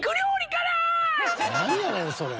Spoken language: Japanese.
なんやねん、それ。